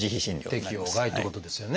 適用外ってことですよね。